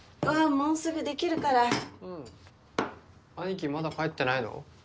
もうすぐできるからうん兄貴まだ帰ってないの？